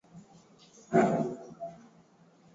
matumizi ya neno utegemezi wa dawa yanayojumuisha awamu